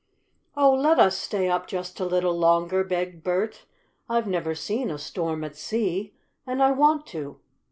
"Oh, let us stay up just a little longer," begged Bert. "I've never seen a storm at sea, and I want to."